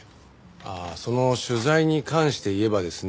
ああその取材に関して言えばですね